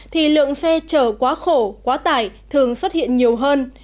thì lượng xe chở quá khổ quá tải thường xuất hiện nhiều hơn